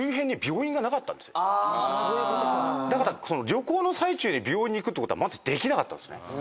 だから旅行の最中に病院に行くってことはまずできなかったんですね。